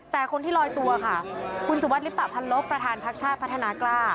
แต่คนที่ลอยตัวค่ะคุณสุวัสดลิปปะพันลบประธานพักชาติพัฒนากล้า